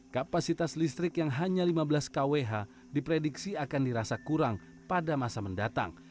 kapasitas listrik yang hanya lima belas kwh diprediksi akan dirasa kurang pada masa mendatang